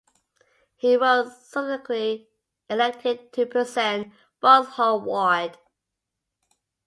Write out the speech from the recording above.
He was subsequently elected to represent Vauxhall ward.